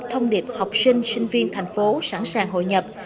thông điệp học sinh sinh viên thành phố sẵn sàng hội nhập